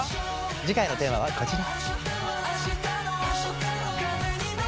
次回のテーマはこちら。